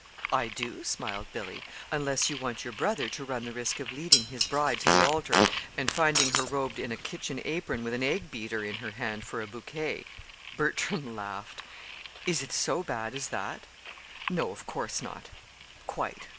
"I do," smiled Billy, "unless you want your brother to run the risk of leading his bride to the altar and finding her robed in a kitchen apron with an egg beater in her hand for a bouquet." Bertram laughed. "Is it so bad as that?" "No, of course not quite.